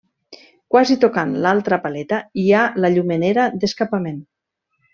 Quasi tocant l'altra paleta hi ha la llumenera d'escapament.